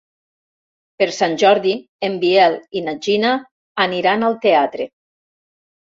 Per Sant Jordi en Biel i na Gina aniran al teatre.